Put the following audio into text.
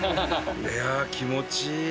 いやあ気持ちいい！